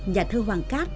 nhà thơ hoàng cát